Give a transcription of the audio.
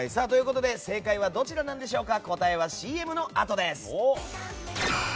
正解はどちらなんでしょうか。